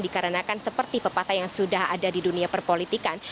dikarenakan seperti pepatah yang sudah ada di dunia perpolitikan